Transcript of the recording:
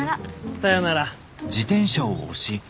さよなら。